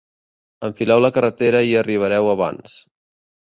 Enfileu la carretera i hi arribareu abans.